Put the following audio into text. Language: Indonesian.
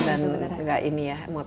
dan nggak ini ya